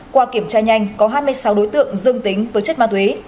qua kiểm tra nhanh có hai mươi sáu đối tượng dương tính với chất ma túy